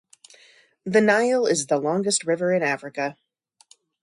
The Nile is the longest river in Africa.